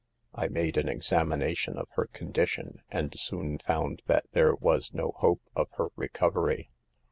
" I made an examination of her condition, and soon found that there was no hope of her recovery.